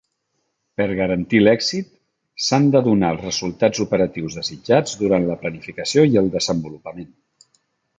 Per garantir l'èxit, s'han de donar els resultats operatius desitjats durant la planificació i el desenvolupament.